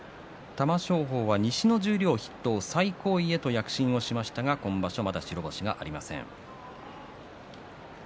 玉正鳳は西の十両筆頭最高位へと躍進しましたが今場所まだ白星がありません。